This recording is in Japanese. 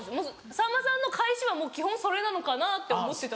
さんまさんの返しは基本それなのかなって思ってた。